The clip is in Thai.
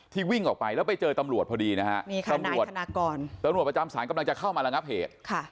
วิ่งออกไปแล้วไปเจอตำรวจพอดีนะฮะตำรวจธนากรตำรวจประจำศาลกำลังจะเข้ามาระงับเหตุ